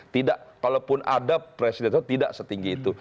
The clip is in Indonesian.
tidak kalaupun ada presiden itu tidak setinggi itu